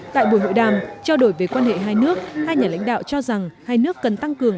tại buổi hội đàm trao đổi về quan hệ hai nước hai nhà lãnh đạo cho rằng hai nước cần tăng cường